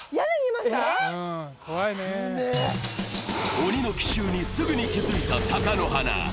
鬼の奇襲にすぐに気づいた貴乃花。